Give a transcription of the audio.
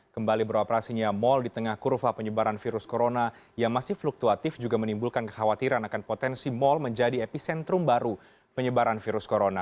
kembali beroperasinya mal di tengah kurva penyebaran virus corona yang masih fluktuatif juga menimbulkan kekhawatiran akan potensi mal menjadi epicentrum baru penyebaran virus corona